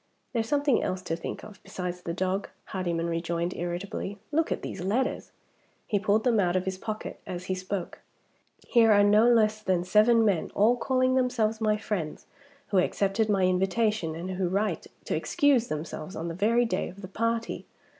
"There's something else to think of besides the dog," Hardyman rejoined irritably. "Look at these letters!" He pulled them out of his pocket as he spoke. "Here are no less than seven men, all calling themselves my friends, who accepted my invitation, and who write to excuse themselves on the very day of the party.